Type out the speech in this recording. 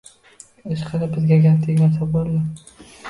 Ishqilib, bizga gap tegmasa bo‘ldi.